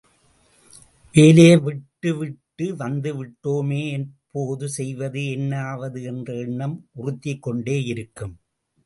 வேலையை விட்டு விட்டு வந்து விட்டோமே, எப்போது செய்வது என்ன ஆவது என்ற எண்ணம் உறுத்திக் கொண்டேயிருக்கும்.